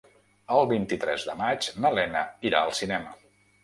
El vint-i-tres de maig na Lena irà al cinema.